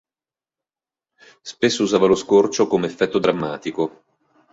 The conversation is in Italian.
Spesso usava lo scorcio come effetto drammatico.